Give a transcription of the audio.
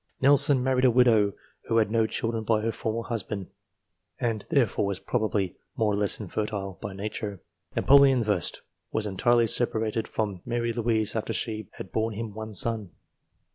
Nelson married a widow who had no children by her former husband, and therefore was probably more or less infertile by nature. Napoleon I. was entirely separated from Marie Louise after she had borne him one son.